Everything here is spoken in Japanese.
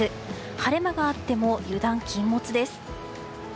晴れ間があっても油断禁物です。